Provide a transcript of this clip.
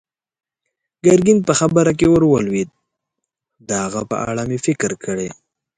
ګرګين په خبره کې ور ولوېد: د هغه په اړه مې فکر کړی.